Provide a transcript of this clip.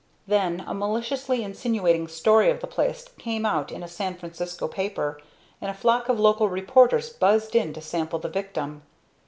Then a maliciously insinuating story of the place came out in a San Francisco paper, and a flock of local reporters buzzed in to sample the victim.